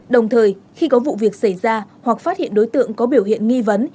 đồng thời khi có vụ việc xảy ra hoặc phát hiện đối tượng có biểu hiện nghi vấn